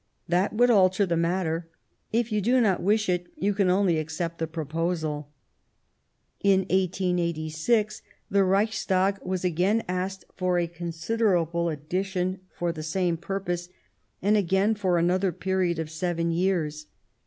That would alter the matter ; if you do not wish it, you can only accept the proposal." In 1886 the Reichstag was again asked for a con siderable addition for the same purpose, and again for another period of seven years.